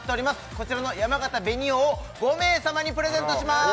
こちらのやまがた紅王を５名様にプレゼントします